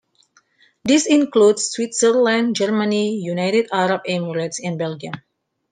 This includes Switzerland, Germany, United Arab Emirates, and Belgium.